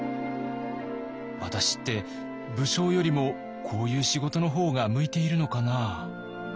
「私って武将よりもこういう仕事の方が向いているのかなあ」。